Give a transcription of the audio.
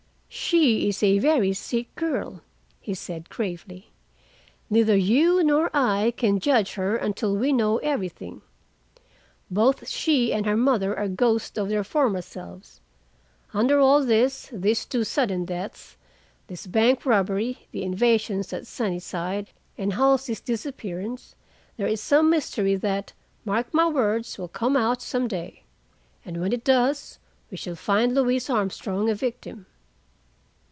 "She is a very sick girl," he said gravely. "Neither you nor I can judge her until we know everything. Both she and her mother are ghosts of their former selves. Under all this, these two sudden deaths, this bank robbery, the invasions at Sunnyside and Halsey's disappearance, there is some mystery that, mark my words, will come out some day. And when it does, we shall find Louise Armstrong a victim."